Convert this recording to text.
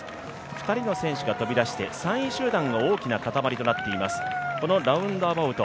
２人の選手が飛び出して、３位集団が大きな固まりとなっています。